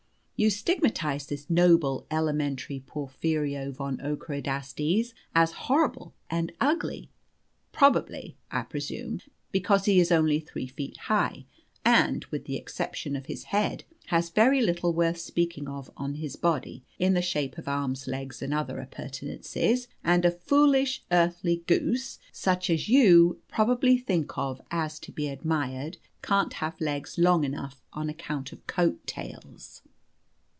You stigmatize this noble, elementary, Porphyrio von Ockerodastes as 'horrible' and 'ugly,' probably, I presume, because he is only three feet high, and, with the exception of his head, has very little worth speaking of on his body in the shape of arms, legs, and other appurtenances; and a foolish, earthly goose, such as you probably think of as to be admired, can't have legs long enough, on account of coat tails.